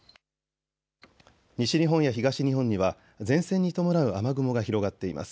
西日本や東日本には前線に伴う雨雲が広がっています。